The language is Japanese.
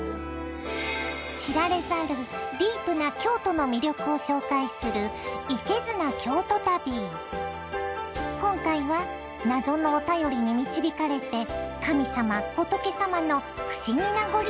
知られざるディープな京都の魅力を紹介する今回は謎のお便りに導かれて神様仏様の不思議な御利益を訪ねます。